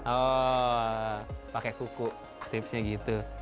oh pakai kuku tipsnya gitu